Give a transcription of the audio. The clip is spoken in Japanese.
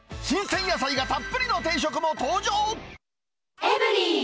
新鮮野菜がたっぷりの定食も登場。